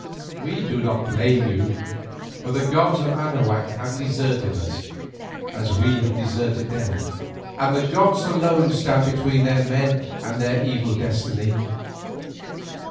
We do not blame you, for the gods of Anahuac have deserted us as we have deserted them, and the gods alone stand between men and their evil destiny.